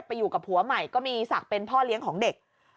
อยู่กับผัวใหม่ก็มีศักดิ์เป็นพ่อเลี้ยงของเด็ก